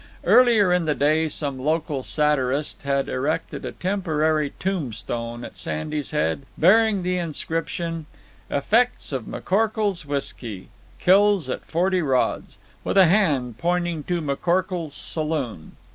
Earlier in the day some local satirist had erected a temporary tombstone at Sandy's head, bearing the inscription, "Effects of McCorkle's whisky kills at forty rods," with a hand pointing to McCorkle's saloon.